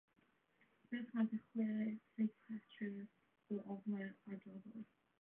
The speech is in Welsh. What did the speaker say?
Beth wnaeth y chwe seiciatrydd o ofnau'r adroddwr?